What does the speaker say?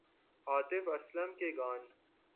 عاطف اسلم کے گان